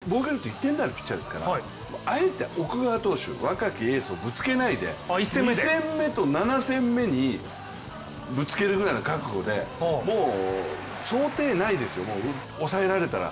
これは山本投手はもう、防御率１点台のピッチャーですからあえて奥川投手、若いエースをぶつけないで、２戦目と７戦目にぶつけるぐらいの覚悟で、想定内ですよ、抑えられたら。